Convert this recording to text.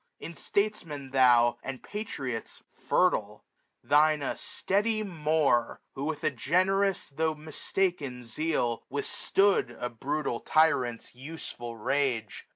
In Statesmen thou. And Patriots, fertile. Thine a steady More, Who, with a generous tho* mistaken zeal. Withstood a brutal tyrant's useful rage.